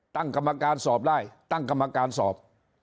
ตั้งกรรมการสอบได้ตั้งกรรมการสอบ